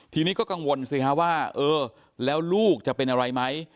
ทีนี้ก็กังวลสิฮะว่าเออแล้วลูกจะเป็นอะไรไหม